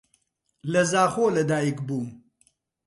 لە زاخۆ لەدایک بووم.